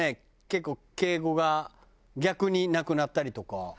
結構敬語が逆になくなったりとかするけどな。